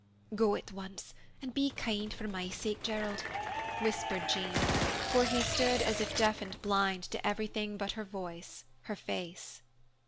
"Go, go at once, and be kind, for my sake, Gerald," whispered Jean, for he stood as if deaf and blind to everything but her voice, her face.